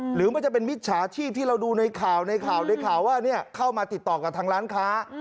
หรือมันจะเป็นมิจฉาชีพที่เราดูในข่าวในข่าวในข่าวว่าเข้ามาติดต่อกับทางร้านค้า